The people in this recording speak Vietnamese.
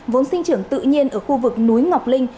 vốn sinh trưởng tự nhiên ở khu vực núi ngọc linh